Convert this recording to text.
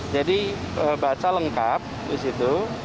jadi baca lengkap disitu